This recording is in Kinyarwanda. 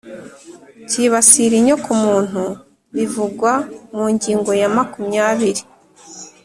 cyibasira inyokomuntu bivugwa mu ngingo ya makumyabiri